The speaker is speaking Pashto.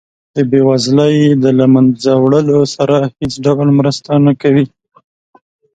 د بیوزلۍ د له مینځه وړلو سره هیڅ ډول مرسته نه کوي.